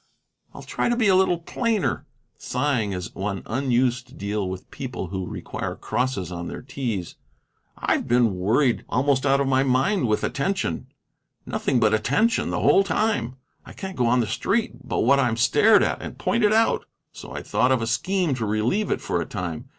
"I'll try to be a little plainer," he went on, sighing as one unused to deal with people who require crosses on their t's. "I've been worried almost out of my mind with attention nothing but attention the whole time. I can't go on the street but what I'm stared at and pointed out, so I thought of a scheme to relieve it for a time.